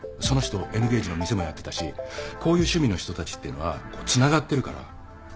その人Ｎゲージの店もやってたしこういう趣味の人たちっていうのはこうつながってるから。